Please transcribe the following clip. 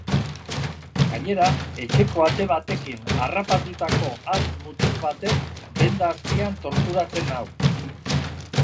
Gainera, etxeko ate batekin harrapatutako hatz-mutur batek benda azpian torturatzen nau.